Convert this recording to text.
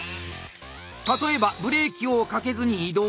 例えば「ブレーキをかけずに移動した」。